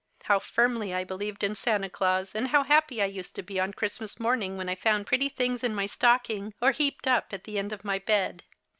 How firmly I believed in Santa Glaus, and how happy I used to be on Christmas morning when I found pretty things in my stocking, or heaped up at the end of my bed